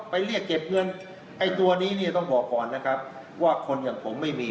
เรียกเก็บเงินไอ้ตัวนี้เนี่ยต้องบอกก่อนนะครับว่าคนอย่างผมไม่มี